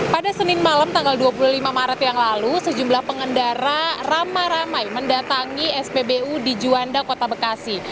pada senin malam tanggal dua puluh lima maret yang lalu sejumlah pengendara ramai ramai mendatangi spbu di juanda kota bekasi